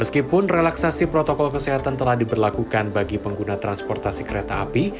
meskipun relaksasi protokol kesehatan telah diberlakukan bagi pengguna transportasi kereta api